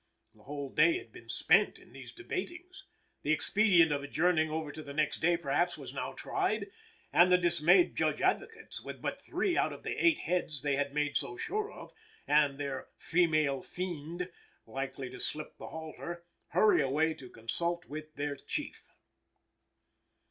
The whole day had been spent in these debatings. The expedient of adjourning over to the next day, perhaps, was now tried; and the dismayed Judge Advocates, with but three out of the eight heads they had made so sure of, and their "female fiend" likely to slip the halter, hurry away to consult with their Chief.